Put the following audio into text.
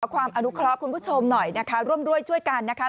ความอนุเคราะห์คุณผู้ชมหน่อยนะคะร่วมด้วยช่วยกันนะคะ